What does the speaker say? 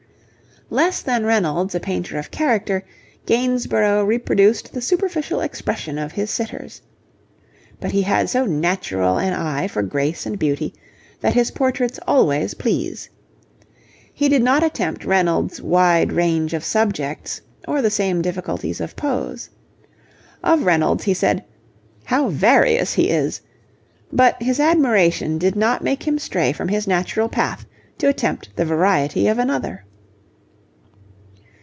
Less than Reynolds a painter of character, Gainsborough reproduced the superficial expression of his sitters. But he had so natural an eye for grace and beauty, that his portraits always please. He did not attempt Reynolds' wide range of subjects or the same difficulties of pose. Of Reynolds he said: 'How various he is,' but his admiration did not make him stray from his natural path to attempt the variety of another.